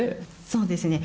そうですね。